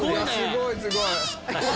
すごいすごい！